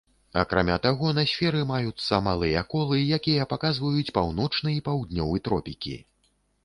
Акрамя таго, на сферы маюцца малыя колы, якія паказваюць паўночны і паўднёвы тропікі.